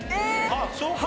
あっそうか！